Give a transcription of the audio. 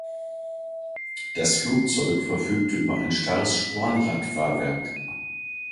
Das Flugzeug verfügte über ein starres Spornradfahrwerk.